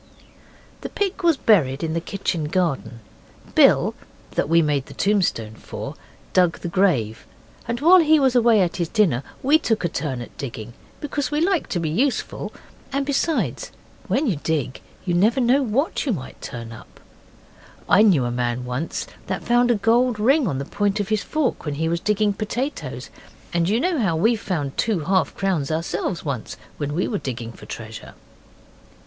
The pig was buried in the kitchen garden. Bill, that we made the tombstone for, dug the grave, and while he was away at his dinner we took a turn at digging, because we like to be useful, and besides, when you dig you never know what you may turn up. I knew a man once that found a gold ring on the point of his fork when he was digging potatoes, and you know how we found two half crowns ourselves once when we were digging for treasure.